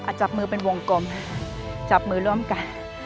จับมือเป็นวงกลมจับมือร่วมกัน